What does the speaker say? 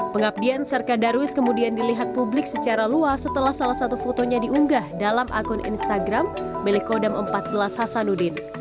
pengabdian serka darwis kemudian dilihat publik secara luas setelah salah satu fotonya diunggah dalam akun instagram milik kodam empat belas hasanuddin